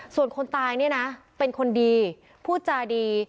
ส่วนคนตายเนี่ยนะเป็นคนดีพูดจาดี